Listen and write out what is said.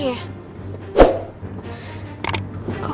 kenapa kemana sekarang